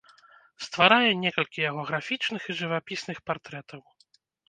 Стварае некалькі яго графічных і жывапісных партрэтаў.